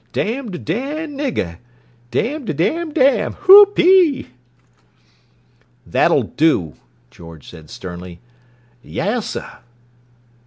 Dam de dam nigga'! Dam de dam dam!' Hoopee!" "That'll do!" George said sternly. "Yessuh!"